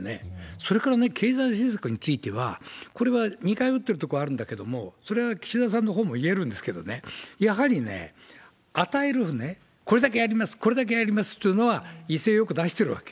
それから経済政策については、これは似通ってるところはあるんだけれども、それは岸田さんのほうもいえるんですけどね、やはり与えるね、これだけやります、これだけやりますというのは、威勢よく出してるわけ。